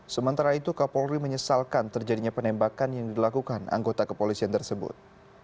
sementara itu kapolri menyesalkan terjadinya penembakan yang dilakukan anggota kepolisian tersebut